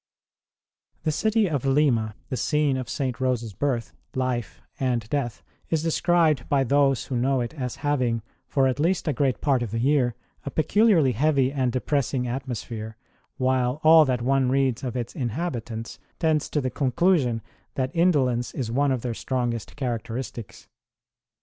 The city of Lima, the scene of St. Rose s birth, life, and death, is described by those who know it as having, for at least a great part of the year, a peculiarly heavy and depressing atmosphere, while all that one reads of its inhabitants tends to the conclusion that indolence is one of their strongest characteristics.